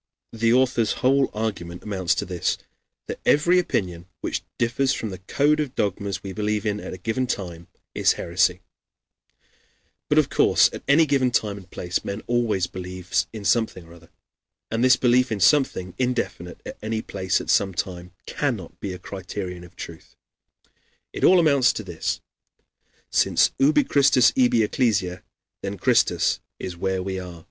"] The author's whole argument amounts to this: that every opinion which differs from the code of dogmas we believe in at a given time, is heresy. But of course at any given time and place men always believe in something or other; and this belief in something, indefinite at any place, at some time, cannot be a criterion of truth. It all amounts to this: since ubi Christus ibi Ecclesia, then Christus is where we are.